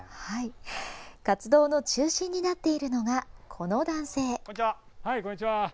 活動の中心になっているのが、この男性。